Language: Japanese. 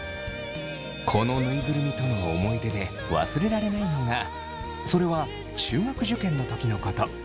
このぬいぐるみとの思い出で忘れられないのがそれは中学受験の時のこと。